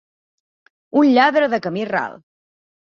Un lladre de camí ral.